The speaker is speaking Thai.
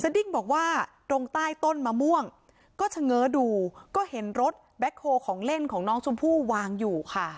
ดิ้งบอกว่าตรงใต้ต้นมะม่วงก็เฉง้อดูก็เห็นรถแบ็คโฮลของเล่นของน้องชมพู่วางอยู่ค่ะ